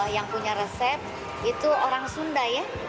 yang punya resep itu orang sunda ya